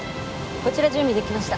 こちら準備できました。